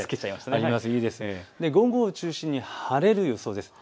午後を中心に晴れる予想です。